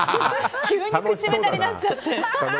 急に口下手になっちゃって。